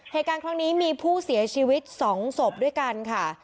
เหตุการณ์ครั้งนี้มีผู้เสียชีวิต๒ศพด้วยกันค่ะ